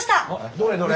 どれどれ？